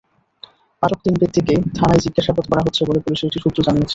আটক তিন ব্যক্তিকে থানায় জিজ্ঞাসাবাদ করা হচ্ছে বলে পুলিশের একটি সূত্র জানিয়েছে।